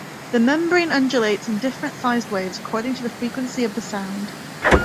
The membrane undulates in different sized waves according to the frequency of the sound.